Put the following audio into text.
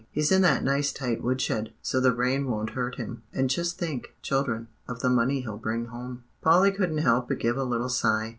"He's in that nice tight woodshed, so the rain won't hurt him: and just think, children, of the money he'll bring home." Polly couldn't help but give a little sigh.